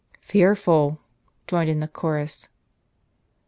" Fearful !" joined in the chorus.